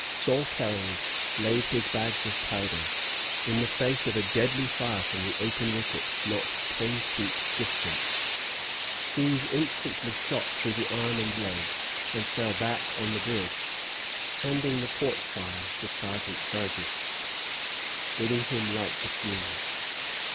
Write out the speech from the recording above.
"Salkeld laid his bags of powder, in the face of a deadly fire from the open wicket not ten feet distant; he was instantly shot through the arm and leg, and fell back on the bridge, handing the port fire to Sergeant Burgess, bidding him light the fuse.